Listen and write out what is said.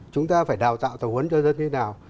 chúng ta phải đào tạo tàu huấn cho dân như thế nào